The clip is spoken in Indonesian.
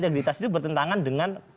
di antaritas itu bertentangan dengan